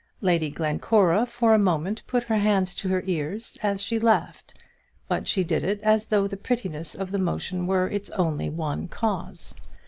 Lady Glencora for a moment put her hands to her ears as she laughed, but she did it as though the prettiness of the motion were its only one cause.